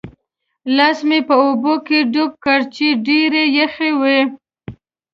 لاس مې په اوبو کې ډوب کړ چې ډېرې یخې وې.